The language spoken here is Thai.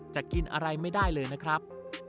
กินอะไรไม่ได้เลยนะครับ